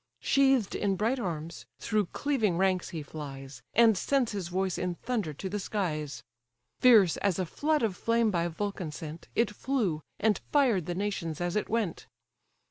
Sheath'd in bright arms, through cleaving ranks he flies, And sends his voice in thunder to the skies: Fierce as a flood of flame by Vulcan sent, It flew, and fired the nations as it went.